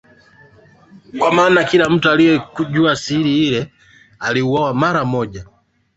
Kwa maana kila mtu aliyejua siri ile aliuawa mara moja hivyo Magreth alihofu